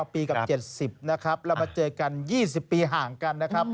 ปีกับ๗๐นะครับเรามาเจอกัน๒๐ปีห่างกันนะครับ